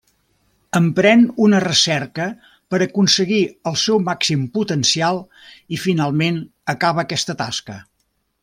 Emprèn una recerca per aconseguir el seu màxim potencial i finalment acaba aquesta tasca.